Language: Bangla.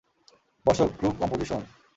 বসো - ক্রু কম্পোজিশন!